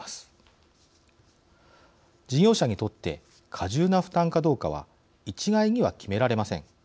事業者にとって過重な負担かどうかは一概には決められません。